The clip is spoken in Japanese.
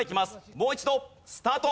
もう一度スタート。